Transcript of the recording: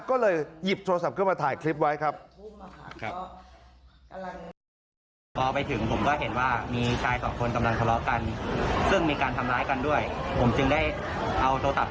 ก็เลยหยิบโทรศัพท์ขึ้นมาถ่ายคลิปไว้ครับ